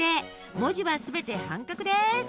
文字は全て半角です。